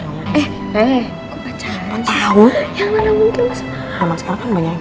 nah siapa ada ka ka panggungnya